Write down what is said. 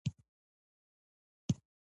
لومړنی نوښتګر جېمز برینډلي و.